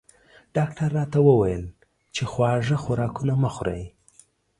ډاکټر راته وویل چې خواږه خوراکونه مه خورئ